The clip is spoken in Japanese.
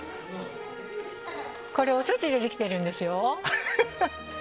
これお寿司でできてるんですよ。